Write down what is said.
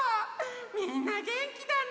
みんなげんきだね！